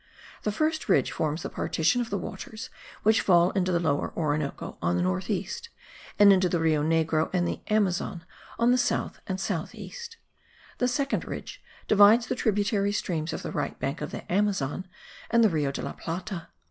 The first ridge forms the partition of the waters which fall into the Lower Orinoco on the north east, and into the Rio Negro and the Amazon on the south and south east; the second ridge divides the tributary streams of the right bank of the Amazon and the Rio de la Plata.